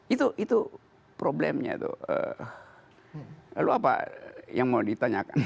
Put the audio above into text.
itu problemnya lo apa yang mau ditanyakan